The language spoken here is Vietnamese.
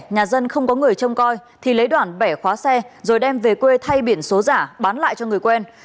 nhà dân không có người trông coi thì lấy đoàn bẻ khóa xe rồi đem về quê thay biển số giả bán lại cho người quen